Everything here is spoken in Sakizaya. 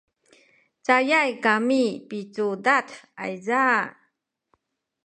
cayay kami picudad ayza